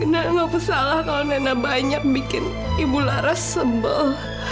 nenek gak kesalahan kalau nenek banyak bikin ibu laras sebel